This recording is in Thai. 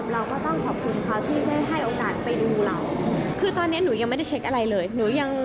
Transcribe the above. เราสามารถปรับปรุงได้ไหมแล้วเราจะทำให้มันดีขึ้นได้ไหม